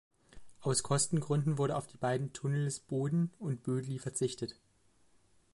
Aus Kostengründen wurde auf die beiden Tunnels Boden und Bödeli verzichtet.